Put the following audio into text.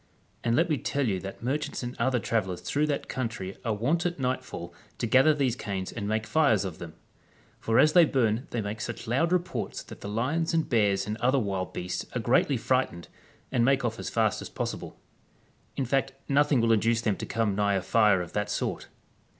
And let me tell you that merchants and other travellers through that country are wont at nightfall to gather these canes and make fires of them ; for as they burn they make such loud reports that the lions and bears and other wild beasts are greatly fright ened, and make off as fast as possible; in fact nothing will induce them to come nigh a fire of that sort.